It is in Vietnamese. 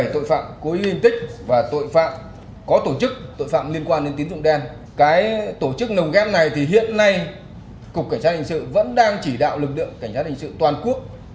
tổ chức nồng ghép này thì hiện nay cục cảnh sát hình sự vẫn đang chỉ đạo lực lượng cảnh sát hình sự toàn quốc